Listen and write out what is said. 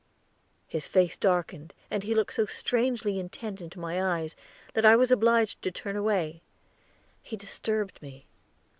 His face darkened, and he looked so strangely intent into my eyes that I was obliged to turn away; he disturbed me.